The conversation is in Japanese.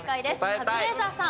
カズレーザーさん。